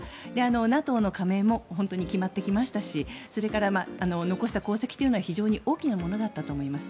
ＮＡＴＯの加盟も本当に決まってきましたしそれから、残した功績というのは非常に大きなものだったと思います。